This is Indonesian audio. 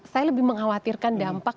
saya lebih mengkhawatirkan dampak